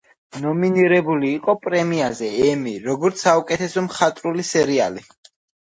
ნომინირებული იყო პრემიაზე ემი როგორც „საუკეთესო მხატვრული სერიალი“.